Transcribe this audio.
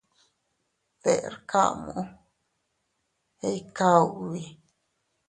Deʼr kamu, ikka ubi.